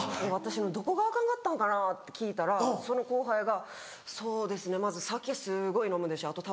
「私のどこがアカンかったんかな」って聞いたらその後輩が「そうですねまず酒すごい飲むでしょ